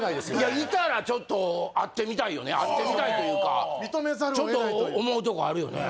いたらちょっと会ってみたいよね会ってみたいというかちょっと思うとこあるよね